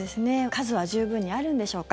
数は十分にあるんでしょうか。